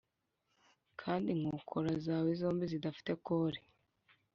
kandi inkokora zawe zombi zidafite kole.